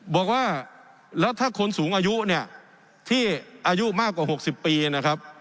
บอกว่าแล้วถ้าคนสูงอายุเนี่ยที่อายุมากกว่า๖๐ปีนะครับ